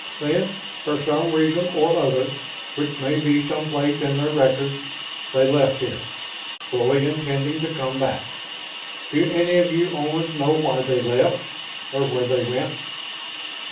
Then, for some reason or other which may be someplace in their records they left here, fully intending to come back. Do any of you Omans know why they left? Or where they went?"